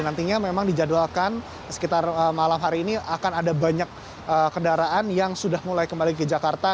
nantinya memang dijadwalkan sekitar malam hari ini akan ada banyak kendaraan yang sudah mulai kembali ke jakarta